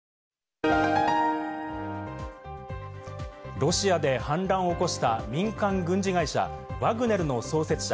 ロシアで反乱を起こした民間軍事会社ワグネルの創設者